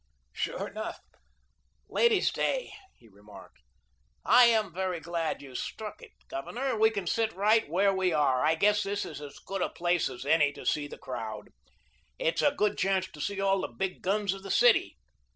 "Sure enough, Ladies' Day," he remarked, "I am very glad you struck it, Governor. We can sit right where we are. I guess this is as good a place as any to see the crowd. It's a good chance to see all the big guns of the city.